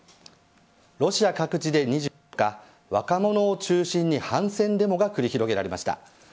ロシア各地で２４日若者を中心に反戦デモが繰り広げられました。